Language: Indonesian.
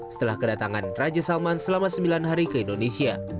setelah kedatangan raja salman selama sembilan hari ke indonesia